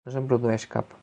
No se'n produeix cap.